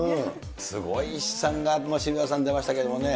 すごい試算が渋谷さん、出ましたけれどもね。